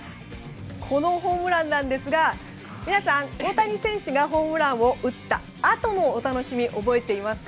このホームランなんですが皆さん、大谷選手がホームランを打ったあとのお楽しみ、覚えていますか。